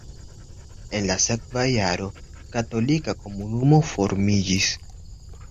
En la sekva jaro katolika komunumo formiĝis.